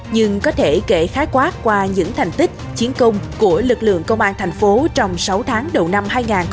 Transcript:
nhưng có thể kể khái quát qua những thành tích chiến công của lực lượng công an thành phố trong sáu tháng đầu năm hai nghìn hai mươi ba